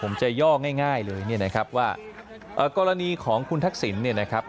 ผมจะย่อง่ายเลยเนี่ยนะครับว่ากรณีของคุณทักษิณเนี่ยนะครับ